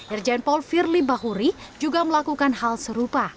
irjen paul firly bahuri juga melakukan hal serupa